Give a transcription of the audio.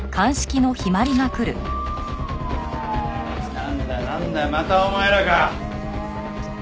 なんだなんだまたお前らか。